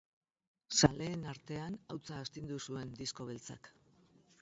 Zaleen artean hautsa astindu zuen Disko Beltzak.